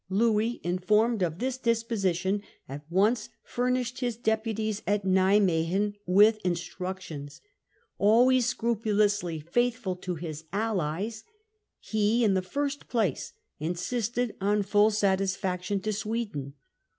Louis, informed of this disposition, at once furnished Offers of his deputies at Nimwegen with instructions. Louis. Always scrupulously faithful to his allies, he in the first place insisted on full satisfaction to Sweden.